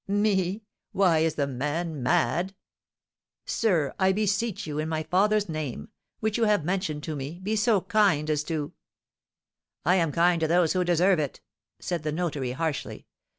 "Me? Why, is the man mad?" "Sir, I beseech you, in my father's name, which you have mentioned to me, be so kind as to " "I am kind to those who deserve it," said the notary, harshly.